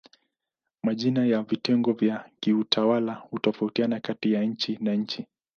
Majina ya vitengo vya kiutawala hutofautiana kati ya nchi na nchi.